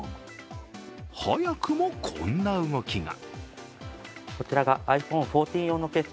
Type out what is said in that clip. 早くもこんな動きが。